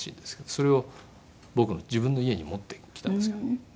それを僕の自分の家に持ってきたんですよね。